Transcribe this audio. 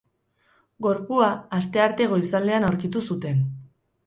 Gorpua astearte goizaldean aurkitu zuten.